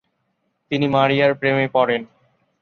তিনি মারিয়ার প্রেমে পড়েন।